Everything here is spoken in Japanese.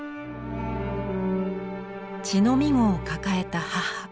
乳飲み子を抱えた母。